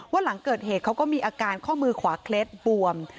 หลังเกิดเหตุเขาก็มีอาการข้อมือขวาเคล็ดบวม